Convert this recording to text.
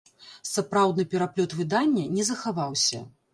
Сапраўдны пераплёт выдання не захаваўся.